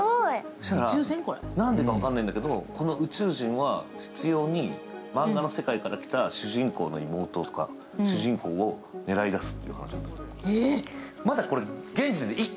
そしたらなんでか分からないんだけど、この宇宙人は執ようにマンガの世界から来た主人公の妹とか主人公を狙い出す。